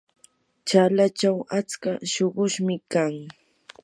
chalachaw atsa shuqushmi kan.